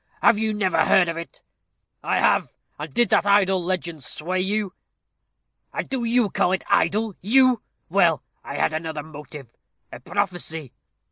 Have you never heard of it?" "I have! And did that idle legend sway you?" "And do you call it idle? You! Well I had another motive a prophecy."